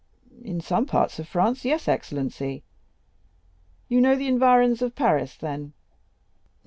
"In some parts of France—yes, excellency." "You know the environs of Paris, then?"